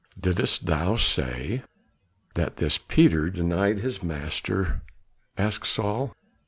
"Didst thou say that this Peter denied his Master?" asked Saul.